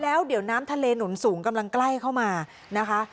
แล้วเดี๋ยวน้ำทะเลหนุนสูงกำลังใกล้เข้ามานะคะ